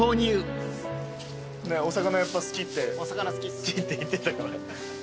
お魚やっぱ好きって言ってたから。